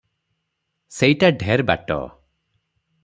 ସେଇଟା ଢେର ବାଟ ।